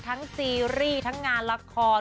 ซีรีส์ทั้งงานละคร